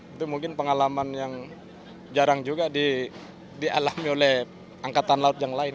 itu mungkin pengalaman yang jarang juga dialami oleh angkatan laut yang lain